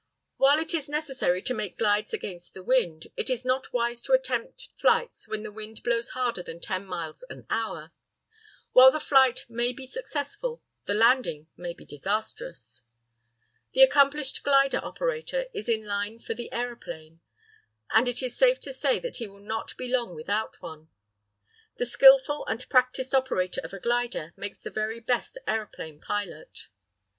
] While it is necessary to make glides against the wind, it is not wise to attempt flights when the wind blows harder than 10 miles an hour. While the flight may be successful, the landing may be disastrous. The accomplished glider operator is in line for the aeroplane, and it is safe to say that he will not be long without one. The skilful and practised operator of a glider makes the very best aeroplane pilot.